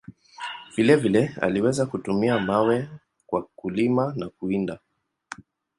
Vile vile, aliweza kutumia mawe kwa kulima na kuwinda.